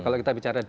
kalau kita bicara di